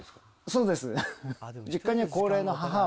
そうです。